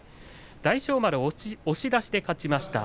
大翔丸、押し出しで勝ちました。